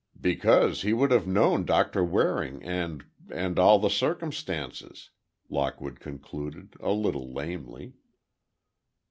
"Because he would have known Doctor Waring, and—and all the circumstances," Lockwood concluded a little lamely.